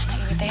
gimana ini teh